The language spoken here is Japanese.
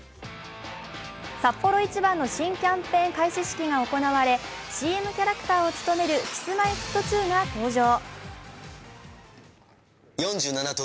サッポロ一番の新キャンペーン開始式が行われＣＭキャラクターを務めるＫｉｓ−Ｍｙ−Ｆｔ２が登場。